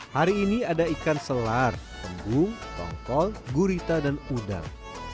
hari ini ada ikan selar embung tongkol gurita dan udang